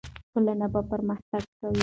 ټولنه به پرمختګ کوي.